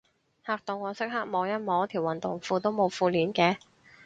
嚇到我即刻摸一摸，條運動褲都冇褲鏈嘅